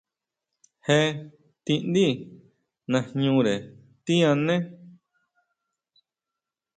Jé tindí najñure tíʼané.